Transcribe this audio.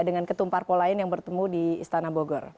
dengan ketum parpol lain yang bertemu di istana bogor